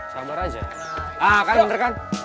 kayaknya bener kan